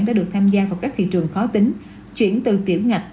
đã được tham gia vào các thị trường khó tính chuyển từ tiểu ngạch